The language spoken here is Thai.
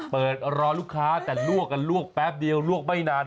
เปิดรอลูกค้าแต่ลวกกันลวกแป๊บเดียวลวกไม่นาน